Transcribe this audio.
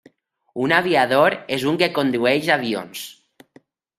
Un aviador és un que condueix avions.